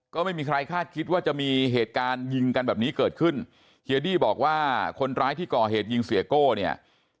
ก็ไม่มีใครคาดคิดว่าจะมีเหตุการณ์ยิงกันแบบนี้เกิดขึ้นเฮียดี้บอกว่าคนร้ายที่ก่อเหตุยิงเสียโก้เนี่ย